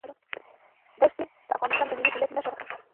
دښتې د افغانستان د ملي هویت نښه ده.